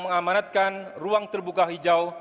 mengamanatkan ruang terbuka hijau